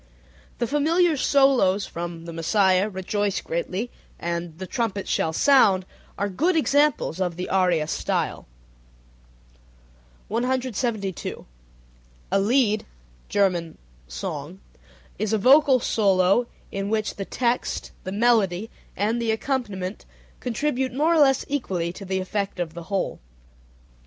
The familiar solos from The Messiah "Rejoice Greatly," and "The trumpet shall sound" are good examples of the aria style. 172. A lied (Ger. = song) is a vocal solo in which the text, the melody, and the accompaniment contribute more or less equally to the effect of the whole.